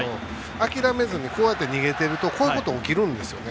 諦めずに逃げてるとこういうことが起きるんですよね。